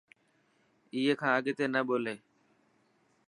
اي کان اگتي نه ٻولي.